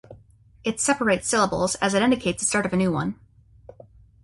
It separates syllables, as it indicates the start of a new one.